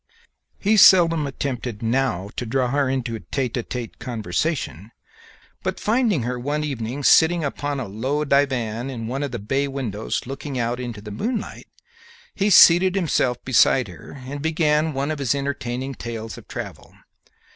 He seldom attempted now to draw her into a tête à tête conversation, but finding her one evening sitting upon a low divan in one of the bay windows looking out into the moonlight, he seated himself beside her and began one of his entertaining tales of travel.